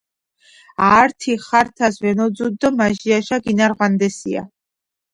ართი ხართას ვენოძჷდ დო მაჟიაშა გინმარღვანდესია